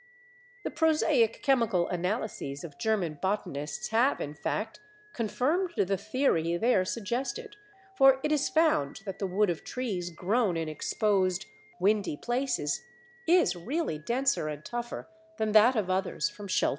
The prosaic chemical analyses of German botanists have, in fact, confirmed the theory there suggested, for it is found that the wood of trees grown in exposed windy places is really denser and tougher than that of others from sheltered woods.